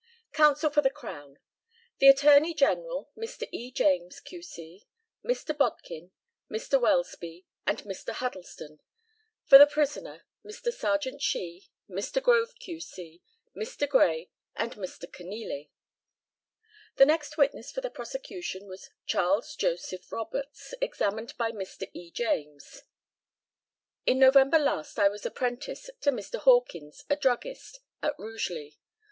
Counsel for the Crown: The Attorney General, Mr. E. James, Q.C., Mr. Bodkin, Mr. Welsby, and Mr. Huddleston. For the prisoner: Mr. Serjeant Shee, Mr. Grove, Q.C., Mr. Gray, and Mr. Kenealy. The next witness for the prosecution was CHARLES JOSEPH ROBERTS, examined by Mr. E. JAMES: In November last I was apprentice to Mr. Hawkins, a druggist, at Rugeley.